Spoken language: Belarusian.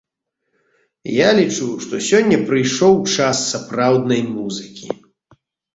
Я лічу, што сёння прыйшоў час сапраўднай музыкі.